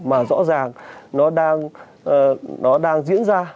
mà rõ ràng nó đang diễn ra